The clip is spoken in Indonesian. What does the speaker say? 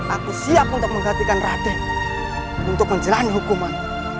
aku siap untuk menghatikan raden untuk menjelani hukuman